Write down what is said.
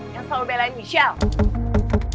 yang selalu belain michelle